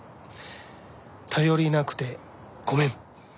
頼りなくてごめん！